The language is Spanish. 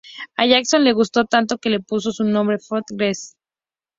A Jackson le gustó tanto que le puso su nombre: Fort Gadsden.